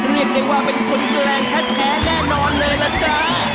เรียกได้ว่าเป็นคนแกรงแท้แน่นอนเลยล่ะจ๊ะ